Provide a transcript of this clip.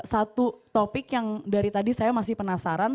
satu topik yang dari tadi saya masih penasaran